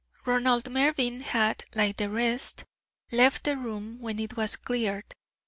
Ronald Mervyn had, like the rest, left the room when it was cleared.